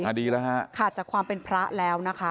อันนี้ค่ะจากความเป็นพระแล้วนะคะ